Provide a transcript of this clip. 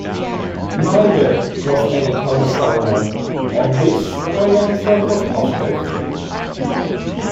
Neither was any kind of foreigner; on this my young friend was positive.